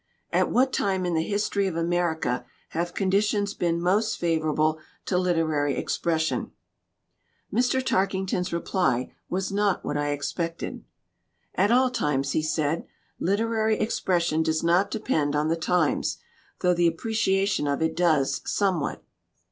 At what time in the history of America have con ditions been most favorable to literary expression?" Mr. Tarkington's reply was not what I ex pected. "At all times," he said. "Literary ex pression does not depend on the times, though the appreciation of it does, somewhat."